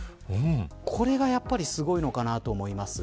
これが、やっぱりすごいのかなと思います。